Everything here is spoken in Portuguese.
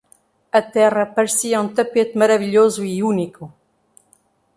A terra parecia um tapete maravilhoso e único.